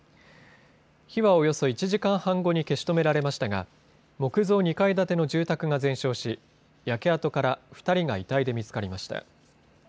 火はおよそ１時間半後に消し止められましたが木造２階建ての住宅が全焼し焼け跡から２人が遺体で見つかりました。